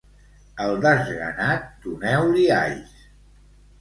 Al desganat, doneu-li alls.